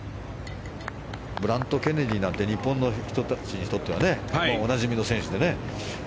ブラッド・ケネディなんて日本の人たちにとってはおなじみの選手で。